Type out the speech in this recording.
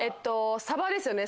サバですよね。